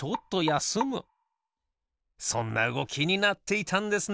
そんなうごきになっていたんですね。